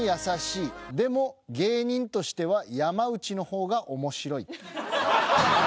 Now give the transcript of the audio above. でも芸人としては山内の方が面白い。